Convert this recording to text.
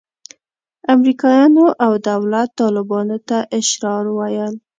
امریکایانو او دولت طالبانو ته اشرار ویل.